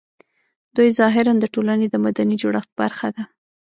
دوی ظاهراً د ټولنې د مدني جوړښت برخه ده